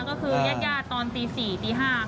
ก็คือแยกตอนตี๔ตี๕ค่ะ